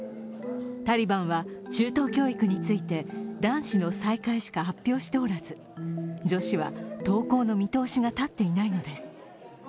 タリバンは中等教育について男子の再開しか発表しておらず女子は登校の見通しが立っていないのです。